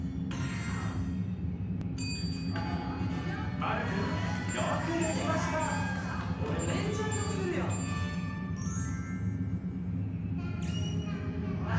まるくんよくできましたああ